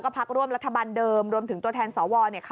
พักร่วมรัฐบาลเดิมรวมถึงตัวแทนสว